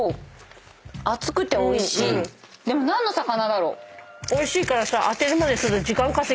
でも何の魚だろう？